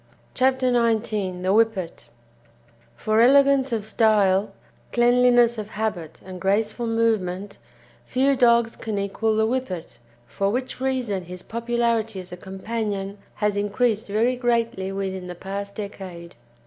CHAPTER XIX THE WHIPPET For elegance of style, cleanliness of habit, and graceful movement, few dogs can equal the Whippet, for which reason his popularity as a companion has increased very greatly within the past decade.